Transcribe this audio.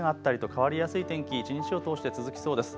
変わりやすい天気、一日を通して続きそうです。